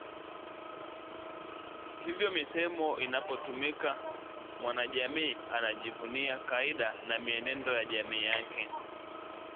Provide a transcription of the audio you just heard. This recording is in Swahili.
Hivyo misemo inapotumika mwanajamii anajivunia kaida na mienendo ya jamii yake